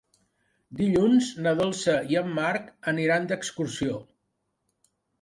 Dilluns na Dolça i en Marc aniran d'excursió.